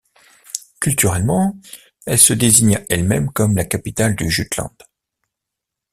Culturellement, elle se désigna elle-même comme la capitale du Jutland.